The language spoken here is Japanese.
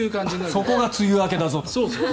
そこが梅雨明けだぞと。